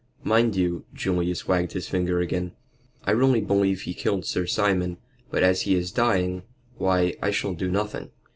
Mind you" Julius wagged his finger again "I really believe he killed Sir Simon, but as he is dying, why, I shall do nothing.